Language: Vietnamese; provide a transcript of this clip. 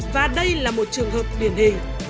và đây là một trường hợp điển hình